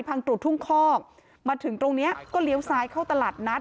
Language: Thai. ตรวจทุ่งคอกมาถึงตรงเนี้ยก็เลี้ยวซ้ายเข้าตลาดนัด